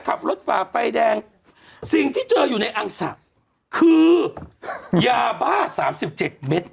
ฝ่าไฟแดงสิ่งที่เจออยู่ในอังสะคือยาบ้าสามสิบเจ็ดเม็ด